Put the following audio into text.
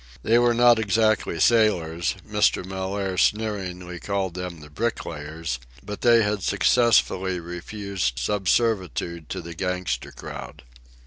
They were not exactly sailors—Mr. Mellaire sneeringly called them the "bricklayers"—but they had successfully refused subservience to the gangster crowd.